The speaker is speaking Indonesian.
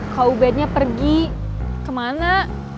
kau beratnya pergi kemana